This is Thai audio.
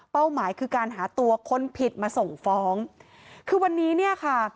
หมายคือการหาตัวคนผิดมาส่งฟ้องคือวันนี้เนี่ยค่ะ